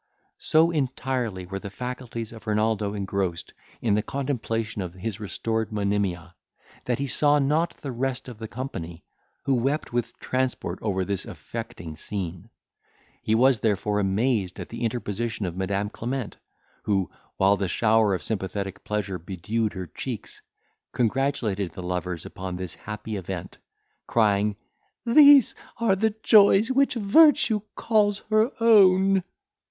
So entirely were the faculties of Renaldo engrossed in the contemplation of his restored Monimia, that he saw not the rest of the company, who wept with transport over this affecting scene. He was therefore amazed at the interposition of Madam Clement, who, while the shower of sympathetic pleasure bedewed her cheeks, congratulated the lovers upon this happy event, crying, "These are the joys which virtue calls her own."